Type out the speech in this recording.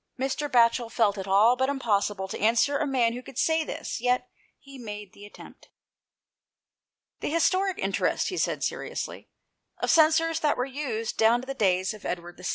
Mr. Batchel felt it all but impossible to answer a man who could say this; yet he made the attempt. " The historic interest," he said seriously, " of censers that were used down to the days of Edward VI.